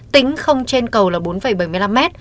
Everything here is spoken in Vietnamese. tính không trên cầu là bốn bảy mươi năm m